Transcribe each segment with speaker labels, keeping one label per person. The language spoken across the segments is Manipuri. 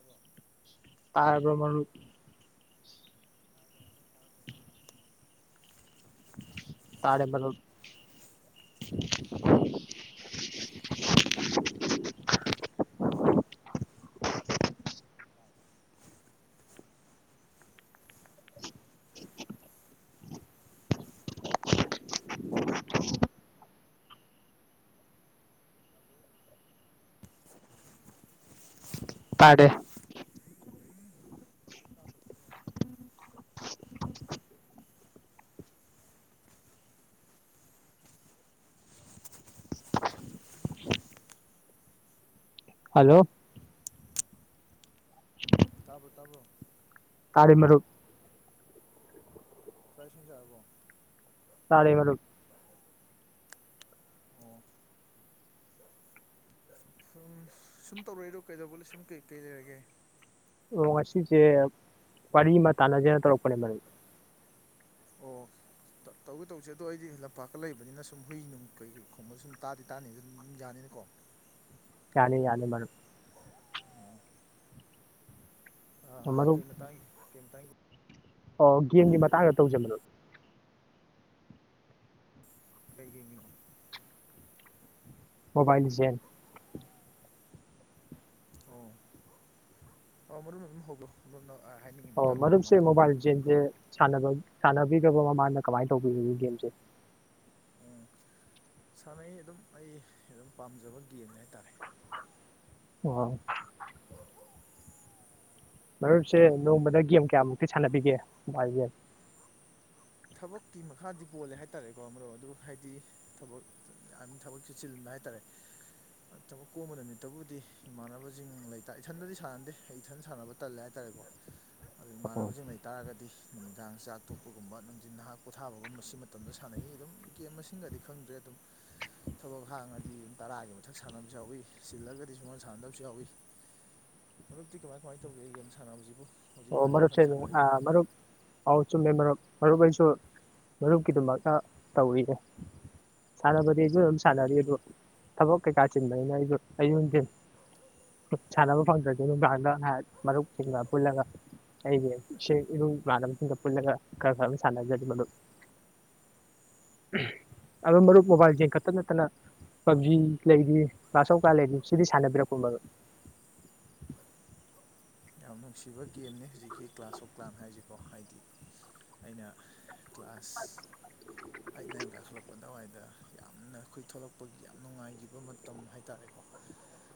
Speaker 1: ꯑꯣ
Speaker 2: ꯇꯥꯕ꯭ꯔ ꯃ
Speaker 1: ꯇꯥꯔꯦ ꯇꯥꯔꯦ ꯅꯪ ꯇꯥꯔꯕ ꯌꯦꯡꯉꯣ
Speaker 2: ꯇꯥꯔꯦꯕ [inaudible]
Speaker 1: ꯑꯩ ꯉꯥꯡꯕꯁꯦ ꯑꯣ ꯉꯥꯡꯕꯁꯦ ꯅꯥꯀꯟꯗ ꯇꯤꯡ ꯇꯥꯡ ꯀꯩꯀꯩ ꯈꯣꯡꯕ ꯃꯈꯣꯟ ꯇꯥꯕ꯭ꯔꯥ ꯇꯥꯗ꯭ꯔꯣ ꯇꯥꯗ꯭ꯔꯣ
Speaker 2: ꯄꯥꯔꯦ
Speaker 1: ꯎꯝ
Speaker 2: ꯍꯜꯂꯣ
Speaker 1: ꯇꯥꯕꯨꯣ ꯇꯥꯕꯨꯣ
Speaker 2: ꯇꯥꯂꯤꯃꯔꯨꯞ
Speaker 1: ꯁ꯭ꯋꯥꯏꯁꯤꯁꯤꯡꯖꯥꯔꯕꯣ
Speaker 2: ꯇꯥ ꯃꯔ
Speaker 1: ꯑꯣꯝ ꯁꯝ ꯁꯨꯝ ꯇꯧꯔꯛꯏꯗꯣ ꯀꯩꯗꯧꯕ ꯂꯩ ꯁꯨꯝ ꯀꯩꯀꯩ ꯂꯩꯔꯒꯦ
Speaker 2: ꯑꯣ ꯉꯁꯤꯁꯦ ꯋꯥꯔꯤ ꯑꯃ ꯇꯥꯟꯅꯖꯦꯅ ꯇꯧꯔꯛꯄꯅꯦ ꯃꯔꯝ
Speaker 1: ꯎꯝ ꯇꯧꯒꯦ ꯇꯧꯁꯦ ꯑꯗꯣ ꯑꯩꯗꯤ ꯂꯝꯄꯥꯛꯀ ꯂꯩꯕꯅꯤꯅ ꯁꯨꯝ ꯍꯨꯏ ꯅꯨꯡ ꯀꯩꯀꯩ ꯈꯣꯡꯕ ꯁꯨꯝ ꯇꯥꯗꯤ ꯇꯥꯅꯤ ꯑꯗꯨꯝ ꯌꯥꯅꯤꯅꯀꯣ
Speaker 2: ꯌꯥꯅꯤ ꯌꯥꯅꯤ ꯃꯔ
Speaker 1: ꯑꯣ ꯑꯥ
Speaker 2: ꯃꯔꯨꯞ
Speaker 1: ꯀꯩ ꯃꯇꯥꯡ ꯀꯩ ꯃꯇꯥꯡ
Speaker 2: ꯑꯣ ꯒꯦꯝꯒꯤ ꯃꯇꯥꯡꯗ ꯇꯧꯖꯕꯗꯣ
Speaker 1: ꯀꯩ ꯒꯦꯝꯒꯤꯅꯣ
Speaker 2: ꯃꯣꯕꯥꯏ ꯂꯥꯖꯦꯟ
Speaker 1: ꯑꯣ ꯑꯣ ꯃꯔꯨꯞ ꯑꯗꯨꯝ ꯍꯧꯔꯣꯝꯢ ꯍꯥꯏꯅꯤꯡꯉꯤ ꯃꯇꯥꯡꯗꯣ ꯀꯃꯥꯏꯅ ꯇꯧꯕꯅꯣꯗꯣ
Speaker 2: [unintelligible] ꯁꯅꯕ ꯁꯥꯟꯅꯕꯤꯗꯕ ꯃꯃꯅ ꯀꯃꯥꯏꯅ ꯇꯧꯕꯤꯔꯤ ꯒꯦꯝꯁꯦ
Speaker 1: ꯎꯝ ꯁꯥꯟꯅꯩ ꯑꯗꯨꯝ ꯑꯩ ꯑꯗꯨꯝ ꯄꯥꯝꯖꯕ ꯒꯦꯝꯅꯦ ꯍꯥꯏꯇꯥꯔꯦ
Speaker 2: ꯑꯣ ꯃꯔꯨꯞꯁꯦ ꯅꯣꯡꯃꯗ ꯒꯦꯝ ꯀꯌꯥꯃꯨꯛꯇꯤ ꯁꯥꯟꯅꯕꯤꯒꯦ ꯃꯣꯕꯥꯏꯜꯒ
Speaker 1: ꯊꯕꯛꯀꯤ ꯃꯈꯥꯗꯤ ꯄꯣꯜꯂꯦ ꯍꯥꯏꯇꯥꯔꯦꯀꯣ ꯃꯔꯨꯞ ꯑꯗꯨ ꯍꯥꯏꯗꯤ ꯊꯕꯛ ꯌꯥꯝ ꯊꯕꯛ ꯆꯤꯟꯕ ꯍꯥꯏꯇꯥꯔꯦ ꯊꯕꯛ ꯀꯣꯝꯕ ꯅꯨꯃꯤꯠꯇꯕꯨꯗꯤ ꯏꯃꯥꯟꯅꯕꯁꯤꯡ ꯂꯩꯇ ꯏꯊꯟꯗꯗꯤ ꯁꯥꯟꯅꯗꯦ ꯏꯊꯟ ꯁꯥꯟꯅꯕ ꯇꯜꯂꯦ ꯍꯥꯏꯇꯥꯔꯦꯀꯣ ꯑꯗꯨꯣ
Speaker 2: ꯑꯣ
Speaker 1: ꯏꯃꯥꯟꯅꯕꯁꯤꯡ ꯂꯩꯇꯥꯥꯔꯒꯗꯤ ꯅꯨꯃꯤꯗꯥꯡ ꯆꯥꯛ ꯇꯣꯛꯄꯒꯨꯝꯕ ꯍꯧꯖꯤ ꯅꯍꯥꯛ ꯄꯣꯊꯥꯕꯒꯨꯝ ꯁꯤ ꯃꯇꯝꯗ ꯁꯥꯟꯅꯩ ꯑꯗꯨꯝ ꯒꯦꯝ ꯃꯁꯤꯡꯒꯗꯤ ꯈꯪꯗ꯭ꯔꯦ ꯑꯗꯨꯝ ꯊꯕꯛ ꯍꯥꯡꯉꯗꯤ ꯑꯗꯨꯝ ꯇꯔꯥꯒꯤ ꯃꯊꯛ ꯁꯥꯟꯅꯕꯁꯨ ꯌꯥꯎꯏ ꯁꯤꯜꯂꯒꯗꯤ ꯁꯒꯣꯜ ꯁꯥꯟꯅꯗꯕꯁꯨ ꯌꯥꯎꯏ ꯃꯔꯨꯞꯤ ꯀꯃꯥꯏ ꯀꯃꯥꯏꯅ ꯇꯧꯒꯦ ꯒꯦꯝ ꯁꯥꯟꯅꯕꯁꯤꯕꯨ
Speaker 2: ꯑꯣ
Speaker 1: ꯍꯧꯖꯤꯛꯀꯥꯟꯁꯤꯕꯨ
Speaker 2: ꯃꯔꯨꯞ
Speaker 1: ꯐꯖꯅ
Speaker 2: ꯑ
Speaker 1: ꯁꯥꯟꯅꯔꯤꯕ꯭ꯔꯣ
Speaker 2: ꯃꯔꯨꯞ ꯄꯥꯎ ꯆꯨꯝꯃꯦ ꯃꯔꯨꯞ ꯃꯔꯨꯞ ꯑꯩꯁꯨ ꯃꯔꯨꯞꯀꯤꯗꯃꯛꯇ ꯇꯧꯏꯌꯦ ꯁꯥꯟꯅꯕꯗꯤ ꯑꯩꯁꯨ ꯑꯗꯨꯝ ꯁꯥꯟꯅꯔꯤ ꯑꯗꯨ ꯊꯕꯛ ꯀꯩꯀꯥ ꯆꯤꯟꯕꯅꯤꯅ ꯑꯩꯁꯨ ꯑꯩꯣꯟꯁꯤꯤꯟ ꯁꯥꯟꯅꯕ ꯐꯪꯗ꯭ꯔꯒꯦ ꯅꯨꯡꯗꯥꯡꯗ ꯉꯥꯏꯍꯥꯛ ꯃꯔꯨꯞꯁꯤꯡꯒ ꯄꯨꯜꯂꯒ ꯑꯩꯒꯤ ꯃꯥꯅꯁꯤꯡ ꯀ ꯄꯨꯂ ꯁꯥꯟꯅ ꯃꯗꯨ ꯑꯗꯨ
Speaker 1: ꯑꯣ
Speaker 2: ꯃꯔꯨꯞ ꯃꯣꯕꯥꯏꯜꯁꯤꯡ ꯈꯛꯇ ꯅꯠꯇꯅ ꯄꯞꯖꯤ ꯂꯩꯔꯤ ꯃꯥꯔꯁꯐ ꯀꯥꯔ ꯂꯩꯔꯤ ꯁꯤꯗꯤ ꯁꯥꯟꯅꯕꯤꯔꯛꯄ ꯃꯔ
Speaker 1: ꯌꯥꯝ ꯅꯨꯡꯁꯤꯕ ꯒꯦꯝꯅꯤ ꯍꯧꯖꯤꯛꯀꯤ ꯀ꯭ꯂꯥꯁ ꯑꯣꯐ ꯀ꯭ꯂꯥꯟ ꯍꯥꯏꯁꯤꯀꯣ ꯍꯥꯏꯗꯤ ꯑꯩꯅ ꯀ꯭ꯂꯥꯁ ꯑꯩꯅ ꯑꯩꯅ ꯀꯥꯈꯠꯂꯛꯄ ꯑꯗꯨꯋꯥꯏꯗ ꯌꯥꯝꯅ ꯑꯩꯈꯣꯏ ꯊꯣꯛꯂꯛꯄꯒꯤ ꯌꯥꯝ ꯅꯨꯡꯉꯥꯏꯈꯤꯕ ꯃꯇꯝ ꯍꯥꯏꯇꯥꯔꯦꯀꯣ
Speaker 2: [unintelligible]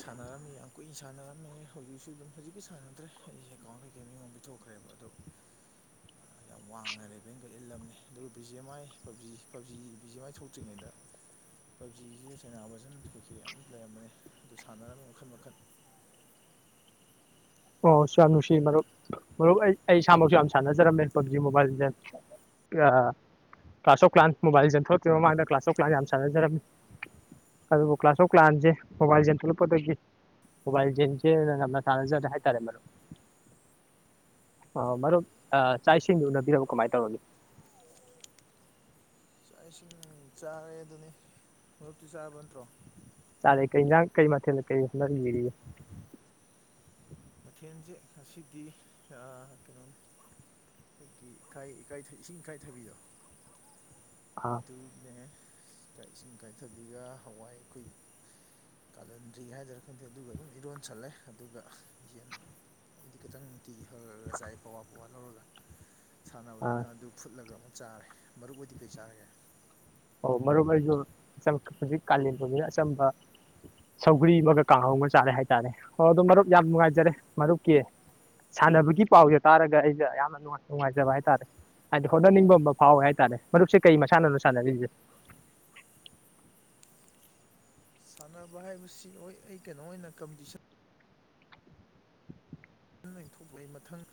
Speaker 1: ꯁꯥꯟꯅꯔꯝꯃꯤ ꯌꯥꯝ ꯀꯨꯏꯅ ꯁꯥꯟꯅꯔꯝꯃꯤ ꯍꯧꯖꯤꯛꯁꯨ ꯑꯗꯨꯝ ꯍꯧꯖꯤꯛꯀꯤ ꯁꯥꯟꯅꯗ꯭ꯔꯦ ꯑꯩꯁꯦ ꯑꯦꯀꯥꯎꯟ ꯀꯩꯀꯩ ꯃꯤꯡꯉꯣꯝ ꯄꯤꯊꯣꯛꯈ꯭ꯔꯦꯕ ꯑꯗꯣ
Speaker 2: [unintelligible]
Speaker 1: ꯌꯥꯝ ꯋꯥꯡꯅ ꯂꯩꯕꯩꯅꯒ ꯏꯜꯂꯝꯅꯤ ꯑꯗꯨꯒ ꯕꯤ ꯖꯤ ꯑꯦꯝ ꯑꯥꯏ ꯄꯖꯤ ꯄꯖꯤ ꯕꯤ ꯖꯤ ꯑꯦꯝ ꯑꯥꯏ ꯊꯣꯛꯇ꯭ꯔꯤꯉꯩꯗ ꯄꯕꯖꯤꯁꯨ ꯁꯅꯥꯕꯖꯟ ꯀꯩꯀꯩ ꯌꯥꯝ ꯂꯩꯔꯝꯕꯅꯦ ꯑꯗꯨ ꯁꯥꯟꯅꯔꯝꯃꯤ ꯃꯈꯜ ꯃꯈꯜ
Speaker 2: ꯑꯣꯁꯨ ꯌꯥꯝ ꯅꯨꯡꯁꯤ ꯃꯔꯨꯞ ꯃꯔꯨꯞ ꯑꯩ ꯑꯩ ꯏꯁꯥꯃꯛꯁꯨ ꯌꯥꯝ ꯁꯥꯟꯅꯖꯔꯝꯃꯦ ꯄꯕꯖꯤ ꯃꯣꯕꯥꯏꯜꯁꯦ ꯀ꯭ꯂꯥꯁ ꯑꯣꯐ ꯀ꯭ꯂꯥꯟ ꯃꯣꯕꯥꯏꯜꯁ ꯊꯣꯛꯇ꯭ꯔꯤ ꯃꯃꯥꯡꯗ ꯀ꯭ꯂꯥꯁ ꯑꯣꯐ ꯀ꯭ꯂꯥꯟ ꯌꯥꯝ ꯁꯥꯟꯅꯖꯔꯝꯃꯤ ꯑꯗꯨꯕꯨ ꯀ꯭ꯂꯥꯁꯃꯨꯛ ꯂꯥꯛꯑꯟꯁꯦ ꯃꯣꯕꯥꯏꯜꯁꯟ ꯊꯣꯛꯂꯛꯄꯗꯒꯤ ꯃꯣꯕꯥꯏꯜ [unintelligible] ꯇꯥꯟꯖꯔ ꯍꯥꯏ
Speaker 1: ꯑꯣ
Speaker 2: ꯃꯔꯨꯞ ꯆꯥꯛ ꯏꯁꯤꯡꯗꯨ ꯎꯅꯕꯤꯔꯕꯧ ꯀꯃꯥꯏ ꯇꯧꯔꯒꯦ
Speaker 1: ꯆꯥꯛ ꯏꯁꯤꯡ ꯆꯥꯔꯦ ꯑꯗꯨꯅꯤ ꯃꯔꯛꯇꯤ ꯆꯥꯕ ꯅꯠꯇ꯭ꯔꯣ
Speaker 2: ꯆꯥꯔꯦ ꯀꯩ ꯀꯩ ꯃꯊꯦꯜ ꯀꯔꯤ
Speaker 1: ꯃꯊꯦꯜꯁꯦ ꯉꯁꯤꯗꯤ ꯀꯩꯅꯣꯅꯤ ꯑꯩꯈꯣꯏꯒꯤ ꯏꯀꯥꯏ ꯏꯀꯥꯏ ꯏꯁꯤꯡ ꯏꯀꯥꯏꯊꯕꯤꯗꯣ
Speaker 2: ꯑꯥ
Speaker 1: ꯑꯗꯨ ꯏꯁꯤꯡ ꯀꯥꯏꯊꯕꯤꯒ ꯍꯋꯥꯏ ꯑꯩꯈꯣꯏ ꯀꯥꯂꯟꯗ꯭ꯔꯤ ꯍꯥꯏꯗꯅ ꯈꯪꯗꯦ ꯑꯗꯨꯒ ꯑꯗꯨꯝ ꯏꯔꯣꯟꯁꯜꯂꯦ ꯑꯗꯨꯒ ꯌꯦꯟ ꯑꯩꯗꯤ ꯈꯤꯇꯪ ꯅꯨꯡꯇꯤꯒꯤ ꯍꯜꯂꯒ ꯆꯥꯏ ꯄꯋꯥ ꯄꯋꯥ ꯂꯧꯔꯒ
Speaker 2: ꯑꯥ
Speaker 1: ꯁꯥꯟꯅꯕꯅꯤꯅ ꯑꯗꯨ ꯐꯨꯠꯂꯒ ꯑꯃꯨꯛ ꯆꯥꯔꯦ ꯃꯔꯨꯞ ꯑꯣꯏꯗꯤ ꯀꯩ ꯆꯥꯔꯒꯦ
Speaker 2: ꯑꯣ ꯃꯔꯨꯞ ꯑꯩꯁꯨ ꯍꯧꯖꯤꯛ ꯀꯥꯂꯦꯟ ꯐꯨꯝꯝꯕꯤꯅ ꯑꯆꯝꯕ ꯁꯧꯒ꯭ꯔꯤ ꯑꯃꯒ ꯀꯥꯡꯍꯧ ꯑꯃ ꯆꯥꯔꯦ ꯍꯥꯏꯇꯥꯔꯦ ꯑꯣ ꯑꯗꯨꯣ ꯃꯔꯨꯞ ꯌꯥꯝ ꯅꯨꯡꯉꯥꯏꯖꯔꯦ ꯃꯔꯨꯞꯀꯤ ꯁꯥꯟꯅꯕꯒꯤ ꯄꯥꯎꯁꯦ ꯇꯥꯔꯒ ꯑꯩꯁ ꯌꯥꯝꯅ ꯅꯨꯉꯥꯏ ꯅꯨꯡꯉꯥꯏꯖꯕ ꯍꯥꯏꯇꯥꯔꯦ ꯍꯥꯏꯗꯤ ꯍꯣꯠꯅꯅꯤꯡꯕ ꯑꯃ ꯐꯥꯎꯋꯦ ꯍꯥꯏꯇꯥꯔꯦ ꯃꯔꯨꯞꯁꯦ ꯀꯩ ꯃꯁꯥꯟꯅꯣ ꯁꯥꯟꯅꯔꯤꯁꯦ
Speaker 1: ꯁꯥꯟꯅꯕ ꯍꯥꯏꯕꯁꯤ ꯍꯣꯏ ꯑꯩ ꯀꯩꯅꯣ ꯑꯣꯏꯅ ꯀꯝꯄꯤꯇꯤꯁꯟ [unintelligible] ꯃꯊꯪ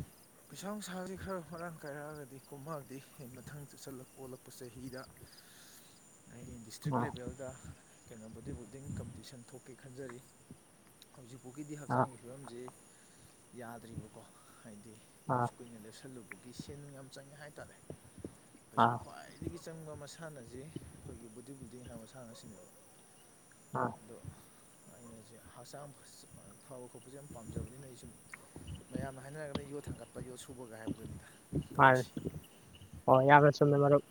Speaker 2: [inaudible]
Speaker 1: ꯄꯩꯁꯥ ꯅꯨꯡꯁꯥꯁꯤ ꯈꯔ ꯃꯔꯥꯡ ꯀꯥꯏꯔꯛꯑꯒꯗꯤ ꯀꯨꯝꯃꯛꯑꯗꯤ ꯑꯩ ꯃꯊꯪ ꯆꯂꯛ ꯑꯣꯜꯂꯛꯄ ꯆꯍꯤꯗ
Speaker 2: [unintelligible]
Speaker 1: ꯑꯩ ꯗꯤꯁꯇ꯭ꯔꯤꯛ
Speaker 2: ꯑꯥ
Speaker 1: ꯂꯦꯚꯦꯜꯗ ꯀꯩꯅꯣ ꯕꯣꯗꯤ ꯕꯤꯜꯗꯤꯡ ꯀꯝꯄꯤꯇꯤꯁꯟ ꯊꯣꯛꯀꯦ ꯈꯟꯖꯔꯤ ꯍꯧꯖꯤꯛꯐꯥꯎꯒꯤꯗꯤ
Speaker 2: ꯑꯥ
Speaker 1: ꯍꯛꯆꯥꯡꯒꯤ ꯐꯤꯕꯝꯁꯤ ꯌꯥꯗ꯭ꯔꯤꯕꯀꯣ ꯍꯥꯏꯗꯤ
Speaker 2: ꯑꯥ
Speaker 1: ꯂꯞꯁ ꯀꯨꯏꯅ ꯂꯦꯞꯁꯜꯂꯨꯕꯒꯤ ꯁꯦꯟ ꯅꯨꯡ ꯌꯥꯝ ꯆꯪꯉꯦ ꯍꯥꯏꯇꯥꯔꯦ
Speaker 2: [inaudible]
Speaker 1: ꯄꯩꯁꯥ ꯈ꯭ꯋꯥꯏꯗꯒꯤ ꯆꯪꯕ ꯃꯁꯥꯟꯅꯁꯤ ꯑꯩꯈꯣꯏꯒꯤ ꯕꯣꯗꯤ ꯕꯤꯜꯗꯤꯡ ꯍꯥꯏꯕ ꯃꯁꯥꯟꯅ ꯑꯁꯤꯅꯦꯕ
Speaker 2: ꯑꯥ
Speaker 1: ꯑꯗꯣ ꯑꯩꯅ ꯍꯧꯖꯤꯛ ꯍꯛꯆꯥꯡ ꯐꯕ ꯈꯣꯠꯄꯁꯦ ꯌꯥꯝ ꯄꯥꯝꯖꯕꯅꯤꯅ ꯑꯩ ꯁꯨꯝ ꯃꯌꯥꯝꯅ ꯍꯥꯏꯅꯔꯒꯅ ꯌꯣꯠ ꯊꯥꯡꯒꯠꯄ ꯌꯣꯠ ꯁꯨꯕꯒ ꯍꯥꯏꯕꯗꯨꯅꯤꯗ
Speaker 2: ꯃꯥꯅꯦ
Speaker 1: ꯇꯧꯔꯤꯁꯤ
Speaker 2: ꯍꯣ ꯌꯥꯝꯅ ꯆꯨꯝꯃꯦ ꯃꯔꯨꯞ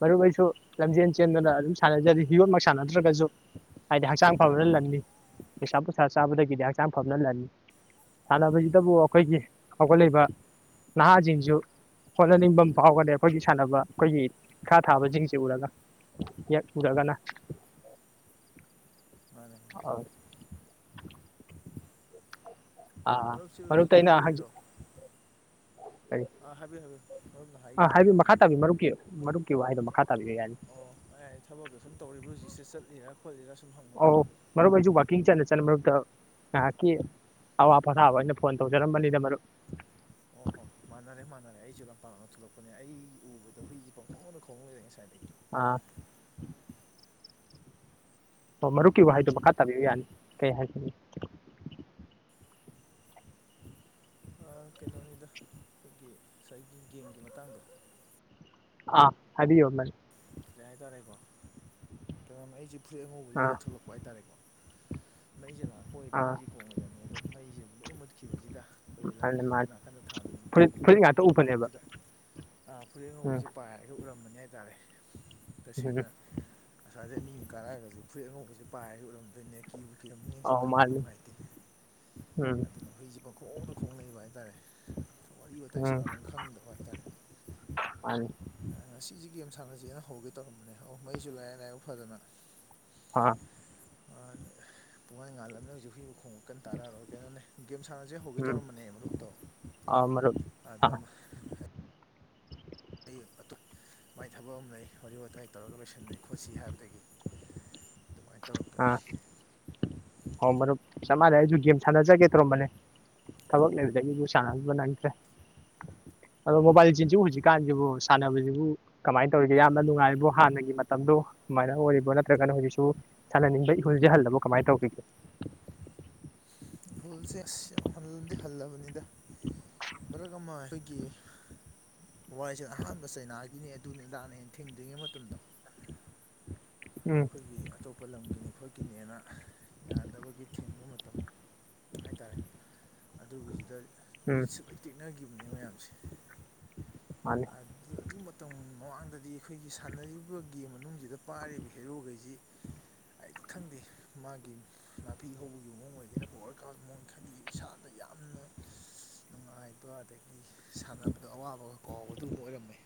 Speaker 2: ꯃꯔꯨꯞ ꯑꯩꯁꯨ ꯂꯝꯖꯦꯟ ꯆꯦꯟꯗꯨꯅ ꯑꯗꯨꯝ ꯁꯥꯟꯅꯖꯔꯤ ꯌꯣꯠꯃꯛ ꯁꯥꯟꯅꯗ꯭ꯔꯒꯁꯨ ꯍꯥꯏꯗꯤ ꯍꯛꯆꯥꯡ ꯐꯕꯅ ꯂꯟꯅꯤ ꯅꯤꯁꯥ ꯄꯨꯁꯥ ꯆꯥꯕꯗꯒꯤꯗꯤ ꯍꯛꯆꯥꯡ ꯐꯕꯅ ꯂꯅꯤ ꯁꯥꯟꯅꯕꯁꯤꯗꯕꯨ ꯑꯩꯈꯣꯏꯒꯤ ꯍꯧꯒꯠꯂꯛꯏꯕ ꯅꯍꯥꯁꯤꯡ ꯁꯨ ꯍꯣꯠꯅꯅꯤꯡꯕ ꯑꯃ ꯐꯥꯎꯒꯅꯤ ꯑꯩꯈꯣꯏꯒꯤ ꯁꯥꯟꯅꯕ ꯑꯩꯈꯣꯏꯒꯤ ꯏꯈꯥ ꯊꯥꯕꯁꯤꯡꯁꯤ ꯎꯔꯒ ꯌꯛꯎꯔꯒꯅ
Speaker 1: ꯃꯥꯅꯦ ꯃꯥꯅꯦ
Speaker 2: ꯑꯥ
Speaker 1: ꯃꯔꯨꯞꯁꯤ ꯍꯧꯖꯤꯛ
Speaker 2: ꯃꯔꯨꯞꯇ
Speaker 1: ꯀꯩꯅꯣ
Speaker 2: ꯑꯩꯅ ꯍꯪꯖ
Speaker 1: ꯇꯧꯔꯤꯗꯣ
Speaker 2: ꯀꯔꯤ
Speaker 1: ꯑꯥ ꯍꯥꯏꯕꯤꯌꯨ ꯍꯥꯏꯕꯤꯌꯨ ꯃꯔꯨꯞꯅ
Speaker 2: ꯑꯥ
Speaker 1: ꯍꯥꯏꯈꯤꯗ
Speaker 2: ꯍꯥꯏꯕꯤꯌꯨ
Speaker 1: ꯍꯥꯟꯅ ꯍꯥꯏꯌꯨ
Speaker 2: ꯃꯈꯥ ꯇꯥꯕꯤ ꯃꯔꯨꯞꯀꯤ ꯃꯔꯨꯞꯀꯤ ꯋꯥꯍꯩꯗꯣ ꯃꯈꯥ ꯇꯥꯕꯤꯕ ꯌꯥꯅꯤ
Speaker 1: ꯑꯣ ꯑꯩ ꯍꯥꯏ ꯊꯕꯛꯇꯀ ꯁꯨꯝ ꯇꯧꯔꯤꯕ꯭ꯔꯥ ꯍꯧꯖꯤꯛꯁꯦ ꯆꯠꯂꯤꯔꯥ ꯈꯣꯠꯂꯤꯔꯥ ꯁꯨꯝ ꯍꯪꯕꯅꯤꯗ
Speaker 2: ꯑꯧ ꯃꯔꯨꯞ ꯑꯩꯁꯨ ꯋꯥꯛꯀꯤꯡ ꯆꯠꯅ ꯆꯠ ꯃꯔꯨꯞꯇ ꯉꯥꯏꯍꯥꯛꯀꯤ ꯑꯋꯥ ꯄꯣꯊꯥꯕ ꯑꯩꯅ ꯐꯣꯟ ꯇꯧꯖꯔꯝꯕꯅꯤꯗ ꯃꯔꯨꯞ
Speaker 1: ꯑꯣ ꯍꯣ ꯃꯥꯟꯅꯔꯦ ꯃꯥꯟꯅꯔꯦ ꯑꯩꯁꯨ ꯂꯝꯄꯥꯛ ꯑꯃ ꯊꯣꯛꯂꯛꯄꯅꯦ ꯑꯩ ꯎꯕꯗ ꯍꯨꯏꯁꯦ ꯄꯥꯡꯈꯣꯡꯅ ꯈꯣꯡ ꯂꯩꯔꯦ ꯉꯁꯥꯏꯗꯒꯤ
Speaker 2: ꯑꯥ ꯑꯣ ꯃꯔꯨꯞꯀꯤ ꯋꯥꯍꯩꯗꯣ ꯃꯈꯥ ꯇꯥꯕꯤꯕ ꯌꯥꯅꯤ ꯀꯩ ꯍꯥꯏꯅꯤꯡ
Speaker 1: ꯑ ꯀꯩꯅꯣꯅꯤꯗ ꯑꯩꯈꯣꯏꯒꯤ ꯉꯁꯥꯏꯒꯤ ꯒꯦꯝꯒꯤ ꯃꯇꯥꯡꯗꯣ
Speaker 2: ꯑ ꯍꯥꯏꯕꯤꯌꯨ ꯃ
Speaker 1: ꯀꯩ ꯍꯥꯏꯇꯥꯔꯦꯀꯣ ꯀ ꯑꯩꯁꯦ ꯐꯨꯔꯤꯠ ꯑꯉꯧꯕ
Speaker 2: ꯑꯥ
Speaker 1: ꯂꯤꯠꯂ ꯊꯣꯛꯂꯛ ꯍꯥꯏꯇꯥꯔꯦꯀꯣ ꯃꯩꯁꯦ ꯂꯥꯛꯄ ꯑꯣꯏꯔꯗꯤ
Speaker 2: ꯑꯥ
Speaker 1: ꯍꯨꯏꯖꯤ ꯈꯣꯡꯉꯣꯏꯗꯝꯅꯤ ꯑꯗꯣ ꯃꯩꯁꯦ ꯑꯗꯨ ꯍꯦꯛ ꯃꯨꯠꯈꯤꯕꯁꯤꯗ ꯑꯩꯈꯣꯏ
Speaker 2: ꯃꯥꯅꯤ
Speaker 1: ꯂꯝꯕꯤꯗ
Speaker 2: ꯃꯥꯅꯤ
Speaker 1: ꯅꯥꯀꯟꯗ ꯊꯥꯟꯕ
Speaker 2: ꯐꯨꯔꯤꯠ
Speaker 1: ꯃꯩꯈꯩꯗꯨꯣ
Speaker 2: ꯐꯨꯔꯤꯠ ꯉꯥꯛꯇ ꯎꯕꯅꯦꯕ
Speaker 1: ꯎꯗꯕꯗꯨꯗꯥ ꯐꯨꯔꯤꯠ
Speaker 2: ꯎꯝ
Speaker 1: ꯑꯉꯧꯕꯁꯦ ꯄꯥꯏꯔ ꯍ ꯎꯔꯝꯕꯅꯤ ꯍꯥꯏꯇꯥꯔꯦ
Speaker 2: ꯎꯝ
Speaker 1: ꯇꯁꯦꯡꯅ ꯑꯁ꯭ꯏꯗ ꯃꯤ ꯑꯃ ꯀꯥꯔꯛꯑꯒꯁꯨ ꯐꯨꯔꯤꯠ ꯑꯉꯧꯕꯁꯦ ꯄꯥꯏꯔ ꯎꯔꯝꯗꯣꯏꯅꯦ ꯀꯤꯕꯨ ꯀꯤꯔꯝꯅꯦ ꯑꯩ ꯁꯨꯝ
Speaker 2: ꯑꯧ
Speaker 1: ꯈꯟꯕ
Speaker 2: ꯃꯥꯅꯤ
Speaker 1: ꯅꯨꯡꯉꯥꯏꯇꯦ
Speaker 2: ꯎꯝ
Speaker 1: ꯑꯗꯨꯅ ꯍꯨꯏꯖꯤ ꯄꯣꯡꯈꯣꯡꯗ ꯈꯣꯡ ꯂꯩꯕ ꯍꯥꯏꯇꯥꯔꯦ ꯋꯥꯔꯤ ꯋꯥꯋꯇꯥꯏ ꯁꯥꯟꯅꯕꯝ ꯈꯪꯗꯕ ꯍꯥꯏꯇꯥꯔꯦ
Speaker 2: ꯃꯅꯦ
Speaker 1: ꯑ ꯉꯁꯤꯁꯦ ꯒꯦꯝ ꯁꯥꯟꯅꯁꯤꯅ ꯍꯧꯒꯦ ꯇꯧꯔꯝꯕꯅꯦ ꯑꯣ ꯃꯩꯁꯨ ꯂꯥꯌꯦ ꯂꯥꯏꯕ ꯐꯗꯅ
Speaker 2: ꯍꯥꯥ
Speaker 1: ꯑ ꯄꯣꯉꯥꯟ ꯉꯥꯜꯂꯝꯅꯤꯅ ꯍꯧꯖꯤꯛ ꯍꯨꯏꯌꯨ ꯈꯣꯡꯕ ꯀꯟ ꯇꯥꯔꯛꯑꯔꯣꯏ ꯀꯩꯅꯣꯅꯦ ꯒꯦꯝ ꯁꯥꯟꯅꯁꯦ ꯍꯧꯒꯦ ꯇꯧꯔꯝꯕꯅꯦ ꯃꯔꯨꯞꯇꯣ
Speaker 2: ꯑ ꯃꯔꯨꯞ
Speaker 1: ꯑ ꯑꯗ
Speaker 2: ꯑꯥ
Speaker 1: ꯑꯃ ꯑꯩ ꯑꯇꯣ ꯃꯥꯏ ꯊꯕꯛ ꯑꯃ ꯂꯩ ꯋꯥꯔꯤ ꯋꯥꯇꯥꯏ ꯇꯧꯔꯒ ꯂꯣꯏꯁꯤꯟꯅ ꯈꯣꯠꯁꯤ ꯍꯥꯏꯕꯗꯒꯤ ꯑꯗꯨꯃꯥꯏꯅ ꯇꯧꯔꯛꯄꯅꯤ
Speaker 2: ꯍꯣ ꯃꯔꯨꯞ ꯆꯞ ꯃꯥꯟꯅꯩ ꯑꯩꯁꯨ ꯒꯦꯝ ꯁꯥꯟꯅꯖꯒꯦ ꯇꯧꯔꯝꯕꯅꯦ ꯊꯕꯛ ꯂꯩꯕꯗꯒꯤꯗꯤ ꯁꯥꯟꯅꯔꯤꯕ ꯅꯪꯁꯤ ꯑꯗꯨ ꯃꯣꯕꯥꯏꯜ ꯔꯤꯖ°ꯁꯤꯕꯨ ꯍꯧꯖꯤ ꯀꯥꯟꯕꯨ ꯁꯅꯥꯕꯁꯤꯕꯨ ꯀꯃꯥꯏꯅꯥ ꯇꯧꯔꯤꯒꯦ ꯌꯥꯝꯅ ꯅꯨꯡꯉꯥꯏꯔꯤꯕꯣ ꯍꯥꯟꯅꯒꯤ ꯃꯇꯝꯗꯣ ꯑꯗꯨꯨꯃꯥꯏꯅꯥ ꯑꯣꯏꯔꯤꯕ꯭ꯔꯣ ꯅꯠꯇ꯭ꯔꯒꯅꯥ ꯍꯧꯖꯤꯛꯁꯨ ꯁꯥꯟꯅꯅꯤꯡꯕꯒꯤ ꯏꯍꯨꯜꯖꯤ ꯍꯟꯔꯕꫭ ꯀꯃꯥꯏꯅ ꯇꯧꯔꯤꯒꯦ
Speaker 1: ꯏꯍꯨꯜꯁꯦ ꯑꯥꯁ ꯌꯥꯝꯅ ꯍꯜꯗꯤ ꯍꯜꯂꯕꯅꯤꯗꯥ ꯃꯔꯛ ꯑꯃ ꯑꯩꯈꯣꯏꯒꯤ꯫ ꯃꫭꯕꯥꯏꯔꯤꯖ°ꯟ ꯑꯍꯥꯟꯕ ꯆꯩꯅꯥꯒꯤꯅꯦ ꯑꯗꯨꯅꯤ ꯑꯗꯥꯥꯛꯅ ꯑꯩꯅ ꯊꯦꯡꯗ꯭ꯔꯤꯉꯩ ꯃꯇꯝꯗꯣ꯫
Speaker 2: ꯎꯝ
Speaker 1: ꯑꯩꯈꯣꯏꯒꯤ ꯑꯇꯣꯞꯄꯥ ꯂꯝꯒꯤꯅꯤ ꯈꯣꯠꯈꯤꯅꯦꯅ ꯌꯥꯗꯕꯒꯤ ꯊꯤꯡꯕ ꯃꯇꯝ ꯍꯥꯏꯇꯥꯔꯦ ꯑꯗꯨꯒꯤꯗꯨꯗ
Speaker 2: ꯎꯝ
Speaker 1: ꯕꯤꯠꯁꯨ ꯂꯣꯏ ꯇꯦꯛꯅꯒꯤꯕꯅꯦ ꯃꯌꯥꯝꯁꯦ
Speaker 2: ꯍ
Speaker 1: ꯑꯥ ꯑꯗꯨ ꯃꯇꯝ ꯃꯃꯥꯡꯗꯗꯤ ꯑꯩꯈꯣꯏꯒꯤ ꯁꯥꯟꯅꯔꯤꯕ ꯒꯦꯝ ꯃꯅꯨꯡꯁꯤꯗ ꯄꯥꯏꯔꯤꯕ ꯍꯦꯔꯣ ꯒꯩꯁꯤ꯫ ꯍꯥꯏꯗꯤ ꯈꯪꯗꯦ ꯃꯥꯒꯤ ꯅꯥꯄꯤ ꯍꯧꯕꯒꯤ ꯃꯑꯣꯡꯕꯨ ꯑꯣꯏꯒꯦꯔꯥ꯫ ꯄꯥꯋꯔ ꯀꯥꯞꯄꯩ ꯃꯣꯟ ꯈꯗꯤ ꯏꯁꯥꯗ ꯌꯥꯝꯅ ꯅꯨꯡꯉꯥꯏꯕ ꯑꯗꯥꯒꯤ ꯁꯥꯟꯅꯕꯗꯥ ꯑꯋꯥꯕꯒꯥ ꯀꯥꯎꯕꯗꯨꯨꯝꯕ ꯑꯣꯏꯔꯝꯃꯦ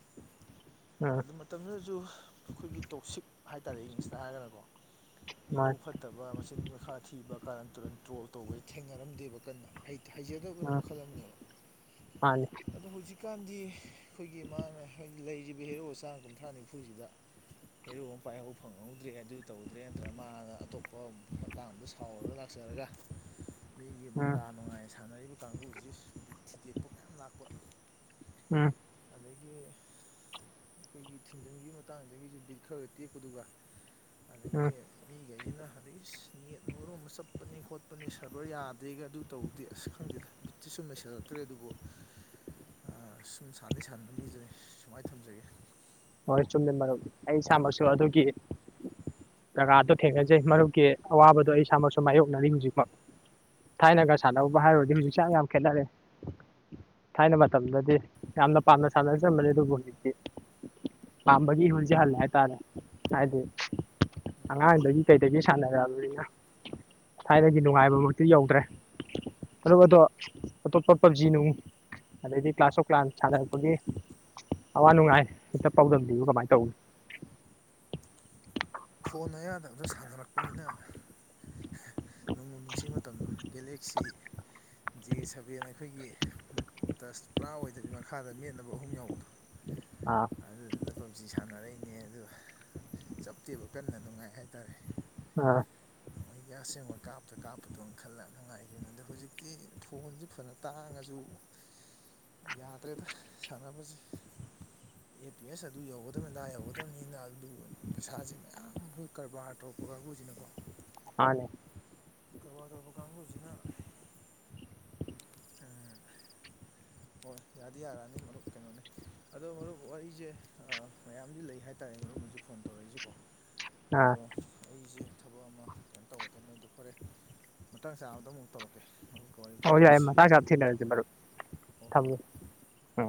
Speaker 2: ꯎꯝ
Speaker 1: ꯑꯗꯨ ꯃꯇꯝꯗꯨꯗꯁꯨ ꯑꯩꯈꯣꯏꯒꯤ ꯇꯣꯛꯁꯤꯛ ꯍꯥꯏꯇꯥꯔꯦ ꯏꯪꯂꯤꯁꯇꯒꯥ ꯍꯥꯏꯔꯒꯅꯀꯣ꯫ ꯃꯤ
Speaker 2: ꯃꯥꯅꯤ
Speaker 1: ꯃꯕꯨꯛ ꯐꯠꯇꯕ ꯃꯆꯤꯟ ꯃꯈꯈꯥ ꯊꯤꯕ ꯀꯥꯔꯟ ꯇꯨꯔꯟ ꯇ꯭ꯔꯣꯜ ꯇꯧꯕꯥ ꯇꯧꯕꯗꯤ ꯊꯦꯡꯅꯔꯝꯗꯦꯕꯥ ꯀꯟꯅ ꯍꯩꯖꯗꯕꯅꯥ
Speaker 2: ꯎꯝ
Speaker 1: ꯃꯈꯜ ꯑꯃꯅꯦꯕꯥ꯫
Speaker 2: ꯃꯥꯅꯤ
Speaker 1: ꯑꯗꯣ ꯍꯧꯖꯤꯛꯀꯥꯟꯗꯤ ꯑꯩꯈꯣꯏꯒꯤ ꯃꯥꯅꯥ ꯂꯩꯔꯤꯕꯥ ꯍꯦꯔꯣ ꯆꯥꯝ ꯀꯨꯟꯊ꯭ꯔꯥ ꯅꯤꯐꯨꯁꯤꯗꯥ꯫ ꯍꯦꯔꫭ ꯑꯃ ꯄꯥꯏꯍꯧ ꯐꯪꯍꯧꯗ꯭ꯔꯦ ꯑꯗꯨ ꯇꯧꯗ꯭ꯔꯦ ꯅꯠꯇ꯭ꯔꯒ ꯃꯥꯅ ꯑꯇꯣꯞꯄꯥ꯫ ꯃꯇꯥꯡꯗꯨꯗꯥ ꯁꯥꯎꯔꯒ ꯂꯥꯛꯆꯔꯒꯥ ꯃꯤꯒꯤ
Speaker 2: ꯎꯝ
Speaker 1: ꯃꯣꯟꯗꯥ ꯅꯨꯡꯉꯥꯏꯅ ꯁꯥꯟꯅꯔꯤꯕꯥ ꯀꯥꯡꯕꯨꯁꯤꯕꯤ ꯕꯤꯠꯊꯨꯗꯦꯛꯄꯥ ꯃꯌꯥꯝ ꯂꯥꯛꯄꯥ
Speaker 2: ꯎꯝ
Speaker 1: ꯑꯗꯥꯒꯤ꯫ ꯑꯩꯈꯣꯏꯒꯤ ꯊꯤꯡꯖꯤꯟ ꯈꯤꯕꯩ ꯃꯇꯥꯡꯗꯥꯁꯨ ꯕꯤꯠ ꯈꯔꯒ ꯇꯦꯛꯄꯒꯥ ꯑꯗꯒꯤ
Speaker 2: ꯎꯝ
Speaker 1: ꯃꯤ ꯈꯩꯁꯤꯅ ꯑꯗꯩ ꯅꯦꯠ ꯃꯔꫭꯟ ꯑꯃ ꯆꯠꯄꯅꯤ ꯈꯣꯠꯄꯅ° ꯄꯅ° ꯁꯔꯕꯔ ꯌꯥꯗꯦꯒ ꯑꯗꯨ ꯇꯧꯗꯦ ꯑꯁ ꯈꯪꯗꯦꯗ ꯕꯤꯠꯁꯤ ꯁꯨꯝ ꯂꯩꯁꯤꯟꯔꯛꯇ꯭ꯔꯦ ꯑꯗꯨꯕꯨ ꯑꯥꯥ ꯁꯥꯟꯗꯤ ꯁꯥꯟꯅꯔꯤ ꯗꯨꯅꯤ ꯁꯨꯃꯥꯏꯅ ꯊꯝꯖꯒꯦ꯫
Speaker 2: ꯍꯣꯏ ꯆꯨꯝꯃꯤ ꯃꯔꯨꯞ ꯑꯩ ꯏꯁꯃꯛꯁꯨ ꯑꯗꯨꯒꯤ ꯖꯒꯥꯗꯣ ꯊꯦꯡꯅꯖꯩ ꯃꯔꯨꯞꯀꯤ ꯑꯋꯥꯕꯗꯣ ꯑꯩ ꯏꯁꯥꯃꯛꯁꯨ ꯃꯥꯏꯌꯣꯛꯅꯔꯤ ꯍꯧꯖꯤꯛ ꯁꯨ꯫ ꯊꯥꯏꯅꯒ ꯁꯥꯟꯅꯔꯨꯕꯥ ꯍꯥꯏꯔꯨꯔꯗꯤ ꯍꯧꯖꯤꯛꯁꯤ ꯌꯥꯝ ꯈꯦꯠꯅꯔꯦ ꯊꯥꯏꯅꯥ ꯃꯇꯝꯗꯨꯗꯤ ꯌꯥꯝꯅ ꯄꯥꯝꯅ ꯁꯥꯟꯅꯖꯔꯝꯕꯅꯤ ꯑꯗꯨꯕꯨ ꯍꯧꯖꯤꯛꯇꯤ,,, ꯄꯥꯝꯕꯒꯤ ꯏꯍꯨꯜꯁꯤ ꯍꯜꯂꯦ ꯍꯥꯏꯇꯥꯔꯦ ꯍꯥꯏꯕꯗꯤ
Speaker 1: ꯎꯝ
Speaker 2: ꯑꯉꯥꯡꯗꯒꯤ ꯀꯩꯗꯒꯤ ꯁꯥꯟꯅ ꯔꯛꯑꯕꯅꯤꯅꯥ ꯊꯥꯏꯅꯒꯤ ꯅꯨꯡꯉꯥꯏꯕꯤꯃꯛꯇꯤ ꯌꯧꯗ꯭ꯔꯦ ꯃꯔꯨꯞ ꯑꯗꯣ ꯑꯇꯣꯄꯥ ꯄꯖꯤ ꯅꫭꯡ ꯑꯗꯩꯗꯤ ꯀ꯭ꯂꯥꯁ ꯁꯣꯛ ꯀ꯭ꯂꯥꯟ ꯁꯥꯟꯅꯔꯛꯄꯒꯤ ꯑꯋꯥ ꯅꯨꯡꯉꯥꯏ ꯍꯈꯤꯇꯥ ꯄ꯭ꯔꯥꯎꯗꯝꯕꯥꯌꯨ ꯀꯃꯥꯏꯅ ꯇꯧꯒꯅꯤ
Speaker 1: ꯐꯣꯟ ꯑꯌꯥꯗꯕꯗꯥ ꯁꯥꯟꯅꯔꯛ ꯄꯅꯤꯅꯥ꯫ ꯍꯥ ꯅꯣꯡꯕꯨ ꯅꯨꯡꯁꯤ ꯃꯇꯝꯗꯣ ꯒꯦꯂꯦꯛꯁꯤ ꯖꯦ ꯁꯕꯦꯟ ꯑꯩꯈꯣꯏꯒꯤꯗꯤ ꯍꯨ꯫ ꯇꯔꯁ ꯄꯨꯔꯥ ꯑꯣꯏꯗꯕꯤ ꯃꯈꯥꯗ ꯃꯦꯠꯅꯕ ꯑꯍꯨꯝ ꯌꯥꯎꯕꯤꯗꯣ꯫
Speaker 2: ꯑꯥ
Speaker 1: ꯑꯗꯨꯒꯤꯗꯅ ꯄꯞꯖꯤ ꯁꯥꯟꯅꯔꯛꯏꯅꯦ ꯑꯗꯨꯒꯥ ꯆꯞꯇꯦꯕ ꯀꯟꯅꯥ ꯅꯨꯡꯉꯥꯏ ꯍꯥꯏꯇꯥꯔꯦ
Speaker 2: ꯍꯥꯥꯥ
Speaker 1: ꯑꯩꯗꯤ ꯑꯁꯦꯡꯕꯥ ꯀꯥꯞꯇ ꯀꯥꯞꯄꯗꯣꯅ ꯈꯜꯂ ꯅꯨꯡꯉꯥꯏꯈꯤ ꯑꯗꯣ ꯍꯧꯖꯤꯛꯇꯤ ꯐꯣꯟꯁꯤ ꯐꯅꯥ ꯍꯅꯥ ꯇꯥꯡꯉꯁꯨ ꯌꯥꯗ꯭ꯔꯦꯗꯥ ꯁꯥꯟꯅꯕꯁꯤ ꯑꯦ ꯄꯤ ꯑꯦꯁ ꯑꯗꯨ ꯌꯧꯒꯗꯕꯅꯤ ꯑꯗꯥ ꯌꯧꯒꯗꯕꯅꯤꯅ ꯑꯗꯨ ꯄꯩꯁꯥꯁꯤ ꯃꯌꯥꯝ ꯑꯩꯈꯣꯒꯤ ꯀꯔꯕꯥꯔ ꯇꯧꯔꯛꯄꯥ ꯑꯩꯈꯣꯏꯁꯤꯅꯀꯣ꯫
Speaker 2: ꯃꯥꯟꯅꯤ
Speaker 1: ꯀꯔꯕꯥ ꯇꯧꯔꯛꯄꯥ ꯀꯥꯡꯕꯨꯁꯤꯅ ꯎꯝꯝ ꯍꯣꯏ ꯌꯥꯗꯤ ꯌꯥꯔꯑꯅꯤ ꯃꯔꯨꯞ ꯀꯩꯅꯣꯅꯤ꯫ ꯑꯗꯣ ꯃꯔꯨꯞ ꯋꯥꯔꯤꯁꯦ ꯃꯌꯥꯝꯗꯤ ꯂꯩ ꯍꯥꯏꯇꯥꯔꯦ ꯃꯔꯨꯞꯅꯁꯨ ꯐꯣꯟ ꯇꯧꯔꯛꯏꯁꯦꯀꯣ꯫
Speaker 2: ꯑꯥ
Speaker 1: ꯑꯗꯣ ꯑꯩꯁꯤ ꯊꯕꯛ ꯑꯃ ꯀꯩꯅꯣ ꯇꯧꯒꯗꯕꯅꯤꯅ ꯑꯗꯨ ꯐꯔꯦ ꯃꯇꯥꯡ ꯆꯥꯕꯗꯥ ꯑꯃꯨꯛ ꯇꯧꯔꯛꯀꯦ ꯑꯗꯨꯒꯥ ꯋꯥꯔꯤ ꯋꯥꯇꯥꯏ
Speaker 2: ꯍꯣꯏ ꯌꯥꯏ
Speaker 1: ꯇꯧꯁꯤ
Speaker 2: ꯃꯇꯥꯡ
Speaker 1: ꯑꯩ
Speaker 2: ꯆꯥ ꯊꯦꯡꯅꯔꯁꯤ
Speaker 1: ꯊꯝꯃꯒꯦ
Speaker 2: ꯃꯔꯨꯞ
Speaker 1: ꯍꯣꯏ ꯍꯣꯏ ꯍꯣꯏ꯫
Speaker 2: ꯊꯝꯃꯦ ꯑꯥ